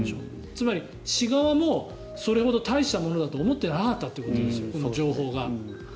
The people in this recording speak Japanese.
つまり、市側もそれほど大したものだと思っていなかったということですよ、この情報が。